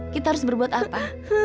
kita harus berbuat apa